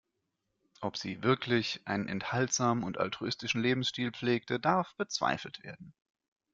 Ob sie wirklich einen enthaltsamen und altruistischen Lebensstil pflegte, darf bezweifelt werden.